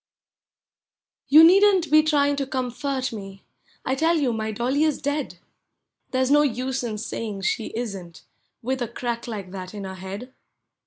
You needn't be trying to comfort me— I tell you my dolly is dead! There 's no use in saying she isn't, with a crack like that in her head.